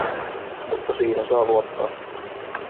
Mutta siihen saa luottaa.